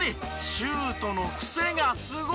シュートのクセがすごい！